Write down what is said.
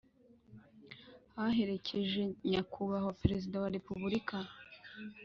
baherekeje Nyakubahwa Perezida wa repubulika